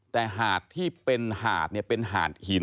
แต่หาดที่เป็นหาดเป็นหาดหิน